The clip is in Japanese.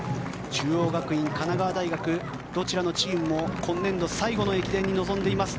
中央学院、神奈川大学どちらのチームも今年度最後の駅伝に臨んでいます。